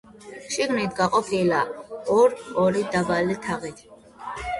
შიგნით გაყოფილია ორ-ორი დაბალი თაღით.